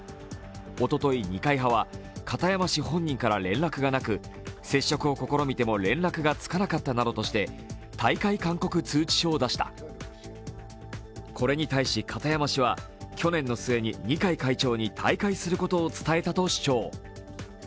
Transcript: おととい二階派は片山氏本人から連絡がなく接触を試みても連絡がつかなかったなどとして退会勧告通知書を出したこれに対し片山氏は去年の末に二階会長に退会することを伝えたと主張。